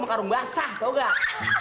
makan rumbasa tau gak